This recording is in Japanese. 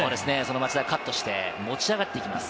町田がカットをして持ち上がっていきます。